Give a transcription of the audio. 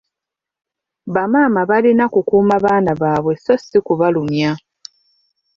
Bamaama balina kukuuma baana baabwe so ssi kubalumya.